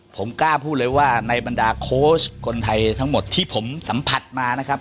ผมกล้าพูดเลยว่าในบรรดาโค้ชคนไทยทั้งหมดที่ผมสัมผัสมานะครับ